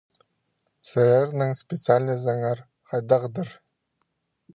Сірернің специальнозыңар хайдағдыр?